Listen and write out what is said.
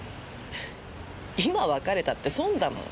今別れたって損だもん。